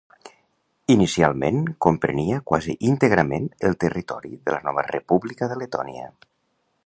Inicialment comprenia quasi íntegrament el territori de la nova República de Letònia.